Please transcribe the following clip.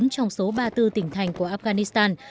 trong số ba mươi bốn tỉnh thành của afghanistan